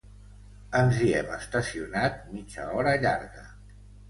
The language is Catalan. Ens hi hem estacionat mitja hora llarga.